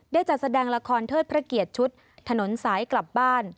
จัดแสดงละครเทิดพระเกียรติชุดถนนสายกลับบ้าน